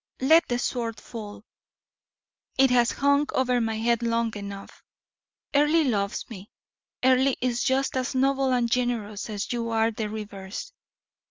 Let the sword fall: it has hung over my head long enough. Earle loves me. Earle is just as noble and generous as you are the reverse.